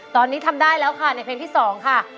ตอนนี้ทำได้แล้วค่ะในเพลงที่๒ค่ะ